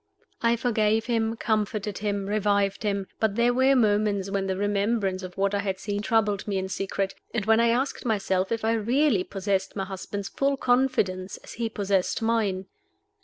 I forgave him, comforted him, revived him; but there were moments when the remembrance of what I had seen troubled me in secret, and when I asked myself if I really possessed my husband's full confidence as he possessed mine.